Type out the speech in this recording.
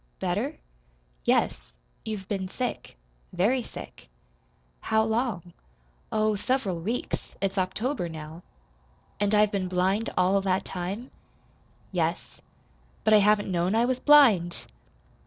"Better?" "Yes. You've been sick very sick." "How long?" "Oh, several weeks. It's October now." "And I've been blind all that time?" "Yes." "But I haven't known I was blind!"